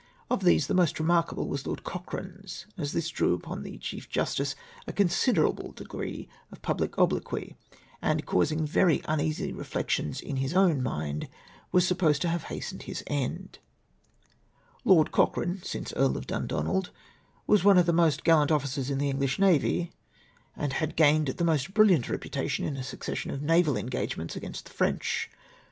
Of these, the most remarkable was Lord Cochrane's, as this drew upon tlie Chief Justice a considerable degree of public obloquy, and, causuifj very uneasy reflections in Ids oivn mind, vjas supposed to have hastened Jtis end^ " Lord Cochrane (since Earl of Dundonald) was one of the most gallant officers in the English navy, and had gained the most brilliant reputation in a succession of naval en gagements against the Erench.